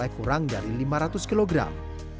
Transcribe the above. kurang dari lima ratus kilogram